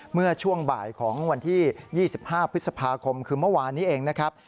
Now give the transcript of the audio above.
เมื่อช่วงบ่ายของวันที่๒๕พฤษภาคมคือเมื่อวานนี้เองนะครับ